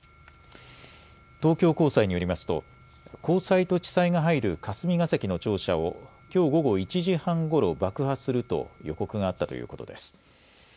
東京高裁によりますと高裁と地裁が入る霞が関の庁舎をきょう午後１時半ごろ爆破すると予告があったということです。